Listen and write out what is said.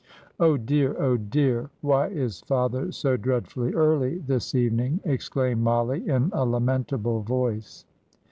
"Oh, dear! oh, dear! Why is father so dreadfully early, this evening?" exclaimed Mollie, in a lamentable voice.